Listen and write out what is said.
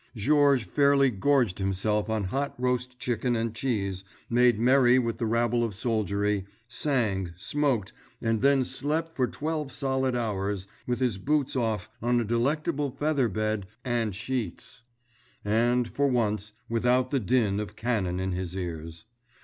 Georges fairly gorged himself on hot roast chicken and cheese, made merry with the rabble of soldiery, sang, smoked, and then slept for twelve solid hours, with his boots off on a delectable feather bed and sheets. And, for once, without the din of cannon in his ears.